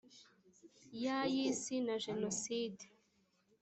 ya y isi na jenoside